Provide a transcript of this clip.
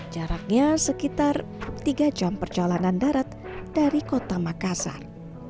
jaraknya sekitar tiga jam perjalanan darat dari kota makassar